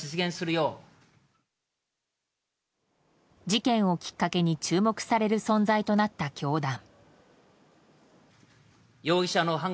事件をきっかけに注目される存在となった教団。